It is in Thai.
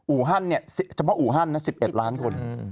อู่ฮั่นเนี่ยจำเป็นอู่ฮั่นนะ๑๑ล้านคน